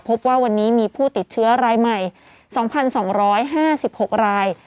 พบว่าวันนี้มีผู้ติดเชื้อรายใหม่สองพันสองร้อยห้าสิบหกราย